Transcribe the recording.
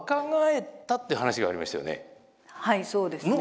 はいそうですね。